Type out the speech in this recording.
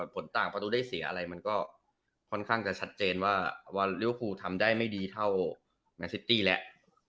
ประตูได้เสียอะไรมันก็ค่อนข้างจะชัดเจนว่าเรียลฟูน่าจะทำได้ไม่ดีเท่าแมนซิตตี้แล้ว